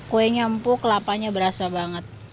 kuenya empuk kelapanya berasa banget